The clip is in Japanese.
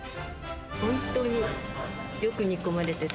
本当によく煮込まれてて。